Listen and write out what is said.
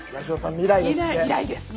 未来ですね。